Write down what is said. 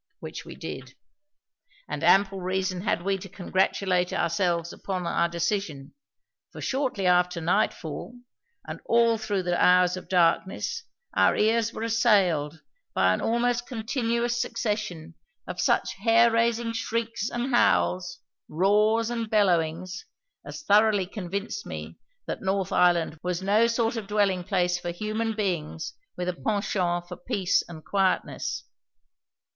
Which we did. And ample reason had we to congratulate ourselves upon our decision, for shortly after nightfall and all through the hours of darkness our ears were assailed by an almost continuous succession of such hair raising shrieks and howls, roars and bellowings, as thoroughly convinced me that North Island was no sort of dwelling place for human beings with a penchant for peace and quietness.